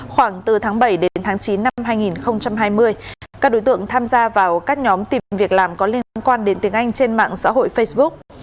khoảng từ tháng bảy đến tháng chín năm hai nghìn hai mươi các đối tượng tham gia vào các nhóm tìm việc làm có liên quan đến tiếng anh trên mạng xã hội facebook